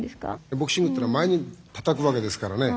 ボクシングっていうのは前にたたくわけですからね。